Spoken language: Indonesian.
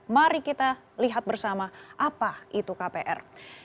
mari kita lihat bersama apa itu kpr